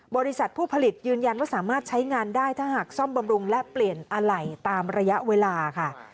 บริษัทผู้ผลิตยืนยันว่าสามารถใช้งานได้ถ้าหากซ่อมบำรุงและเปลี่ยนอะไหล่ตามระยะเวลาค่ะ